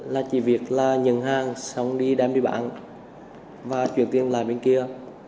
là chỉ việc là nhận hàng xong đi đem đi bán và chuyển tiền lại bên kia